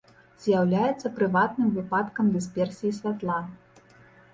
З'яўляецца прыватным выпадкам дысперсіі святла.